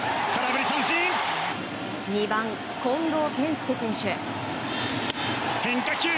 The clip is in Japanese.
２番、近藤健介選手。